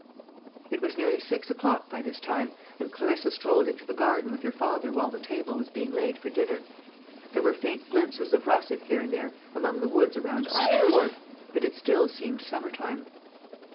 It was nearly six o'clock by this time, and Clarissa strolled into the garden with her father while the table was being laid for dinner. There were faint glimpses of russet here and there among the woods around Arden Court, but it still seemed summer time.